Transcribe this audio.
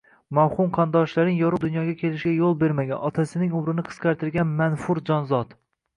Mavhum qondoshlariningyorug` dunyoga kelishiga yo`l bermagan, otasining umrini qisqartirgan manfur jonzot